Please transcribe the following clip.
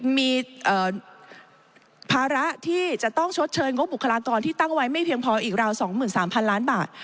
มีภาระที่จะต้องชดเชยงบบุคลากรที่ตั้งไว้ไม่เพียงพออีกราว๒๓๐๐๐ล้านบาท